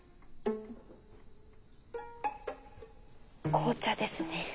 紅茶ですね。